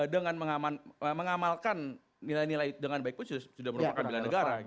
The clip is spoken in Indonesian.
dengan mengamalkan nilai nilai dengan baik pun sudah merupakan bela negara